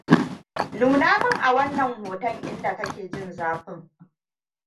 nuna min a wannan hoton inda kake jin zafin